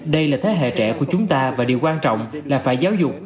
đây là thế hệ trẻ của chúng ta và điều quan trọng là phải giáo dục